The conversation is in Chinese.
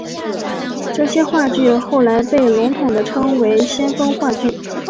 这些话剧后来被笼统地称为先锋话剧。